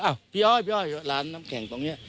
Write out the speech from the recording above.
อ้าวพี่อ้อยร้านน้ำแข็งตรงเนี่ย